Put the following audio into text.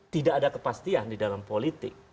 tidak ada kepastian di dalam politik